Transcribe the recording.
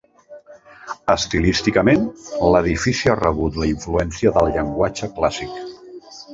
Estilísticament, l'edifici ha rebut la influència del llenguatge clàssic.